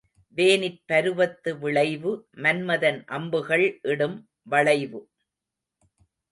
வேனிற் பருவத்து விளைவு, மன்மதன் அம்புகள் இடும் வளைவு.